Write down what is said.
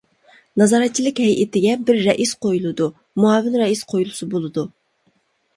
نازارەتچىلىك ھەيئىتىگە بىر رەئىس قويۇلىدۇ، مۇئاۋىن رەئىس قويۇلسا بولىدۇ.